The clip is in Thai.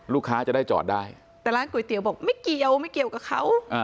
ลูกค้าจะได้จอดได้แต่ร้านก๋วยเตี๋ยวบอกไม่เกี่ยวก็เขา